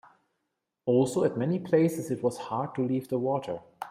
Also, at many places it was hard to leave the water.